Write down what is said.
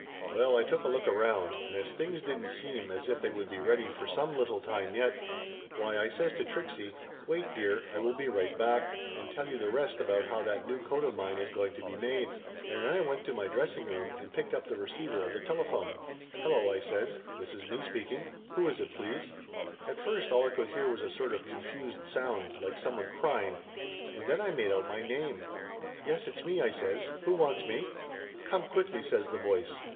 Well, I took a look around, and as things didn't seem as if they would be ready for some little time yet, why, I says to Trixie, wait, dear, I will be right back 296 Laughter Limited and tell you the rest about how that new coat of mine is going to be made, and then I went to my dressing room and picked up the receiver of the telephone. "Hello !" I says. "This is me speaking. Who is it, please ?" At first all I could hear was a sort of confused sound, like someone crying. And then I made out my name. "Yes, it's me!" I says. "Who wants me?" "Come quickly!" says the voice.